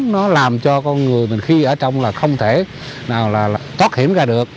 nó làm cho con người mình khi ở trong là không thể nào là thoát hiểm ra được